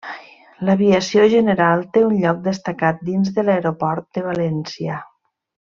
L'aviació general té un lloc destacat dins de l'aeroport de València.